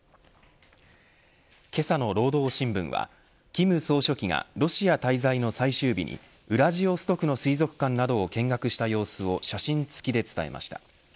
けさの労働新聞は金総書記がロシア滞在の最終日にウラジオストクの水族館などを見学した様子を写真付きで伝えました。